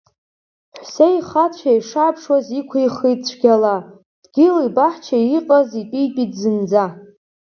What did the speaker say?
Ҳәсеи хацәеи шааԥшуаз иқәихит цәгьала, дгьыли-баҳчеи иҟаз итәитәит зынӡа.